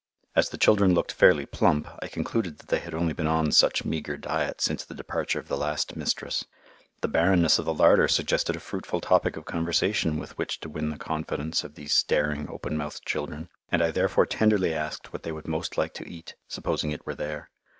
As the children looked fairly plump, I concluded that they had only been on such meagre diet since the departure of the last "mistress." The barrenness of the larder suggested a fruitful topic of conversation with which to win the confidence of these staring, open mouthed children, and I therefore tenderly asked what they would most like to eat, supposing IT were there.